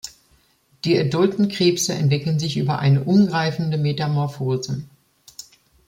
Die adulten Krebse entwickeln sich über eine umgreifende Metamorphose.